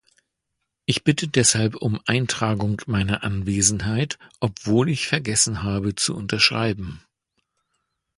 Ich bitte deshalb um Eintragung meiner Anwesenheit, obwohl ich vergessen habe zu unterschreiben.